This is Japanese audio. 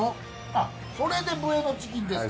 あっそれでブエノチキンですか。